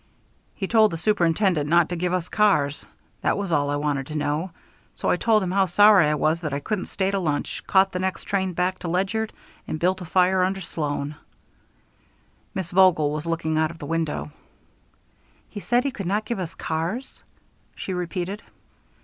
He told the superintendent not to give us cars. That was all I wanted to know. So I told him how sorry I was that I couldn't stay to lunch, caught the next train back to Ledyard, and built a fire under Sloan." Miss Vogel was looking out of the window. "He said he could not give us cars?" she repeated.